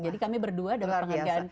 jadi kami berdua dapat penghargaan